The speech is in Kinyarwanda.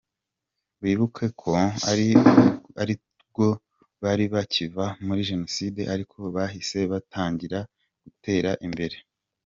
Wibuke ko aribwo bari bakiva muri Jenoside ariko bahise batangira gutera imbere.